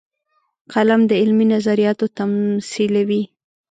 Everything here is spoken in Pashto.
قلم د علمي نظریاتو تمثیلوي